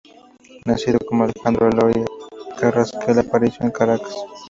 Nacido como Alejandro Eloy Carrasquel Aparicio en Caracas.